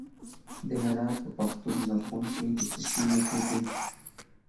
د هرات په پښتون زرغون کې د څه شي نښې دي؟